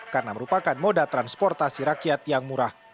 karena merupakan moda transportasi rakyat yang murah